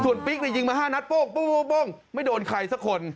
ส่วนปิ๊กยิงมา๕นัดโป้งไม่โดนใครสักคน